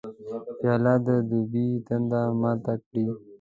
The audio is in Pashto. پیاله د دوبي تنده ماته کړي.